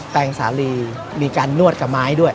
แปลงสาลีมีการนวดกับไม้ด้วย